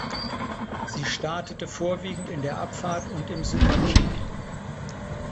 Sie startete vorwiegend in der Abfahrt und im Super-G.